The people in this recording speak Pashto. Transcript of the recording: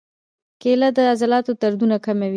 کېله د عضلاتو دردونه کموي.